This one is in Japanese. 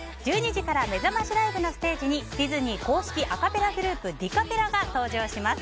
１２時からめざましライブのステージにディズニー公式アカペラグループディカペラが登場します。